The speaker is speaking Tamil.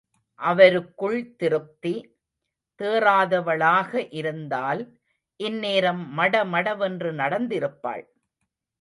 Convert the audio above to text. அவருக்குள் திருப்தி.... தேறாதவளாக இருந்தால், இந்நேரம், மடமடவென்று நடந்திருப்பாள்.